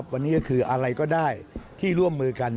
วันนี้ก็คืออะไรก็ได้ที่ร่วมมือกัน